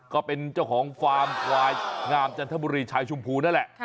ก็เป็นเจ้าของฟาร์มควายงามจันทบุรีชายชมพูนั่นแหละ